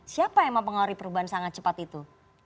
siapa yang memang pengaruhi perubahan sangat cepat itu